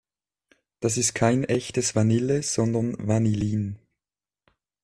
Das ist kein echtes Vanille, sondern Vanillin.